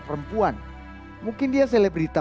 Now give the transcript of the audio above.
perempuan mungkin dia selebriti